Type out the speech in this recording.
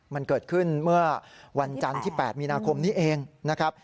มันเกิดขึ้นเมื่อวันจันทร์ที่๘มีนาคมนี้เองนะครับ